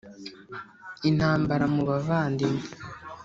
Intambara mu bavandimwe